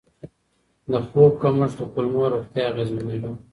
د خوب کمښت د کولمو روغتیا اغېزمنوي.